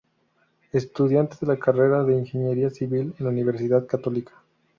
Estudiante de la carrera de Ingeniería Civil en la Universidad Católica.